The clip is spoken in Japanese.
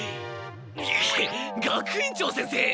学園長先生！